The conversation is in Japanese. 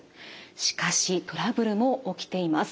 しかしトラブルも起きています。